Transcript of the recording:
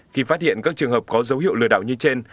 khi phát hiện các trường hợp có dấu hiệu lừa đảo như trên